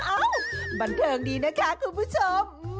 เอ้าบันเทิงดีนะคะคุณผู้ชม